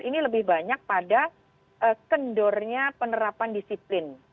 ini lebih banyak pada kendornya penerapan disiplin